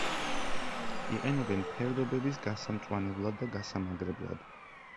იყენებენ ფერდობების გასამწვანებლად და გასამაგრებლად.